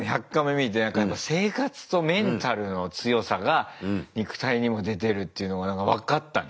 見て生活とメンタルの強さが肉体にも出てるっていうのが分かったね。